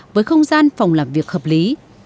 với không gian phòng làm việc hợp lý